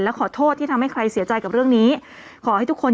และขอโทษที่ทำให้ใครเสียใจกับเรื่องนี้